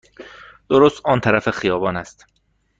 درست آن طرف خیابان است.